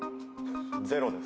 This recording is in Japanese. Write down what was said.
ゼロです。